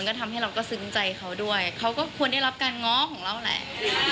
ก็ทำให้เราก็ซึ้งใจเขาด้วยเขาก็ควรได้รับการง้อของเราแหละ